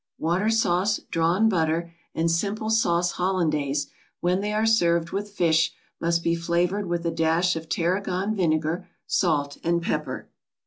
Water sauce, drawn butter and simple sauce Hollandaise, when they are served with fish, must be flavored with a dash of tarragon vinegar, salt and pepper.